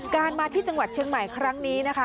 มาที่จังหวัดเชียงใหม่ครั้งนี้นะคะ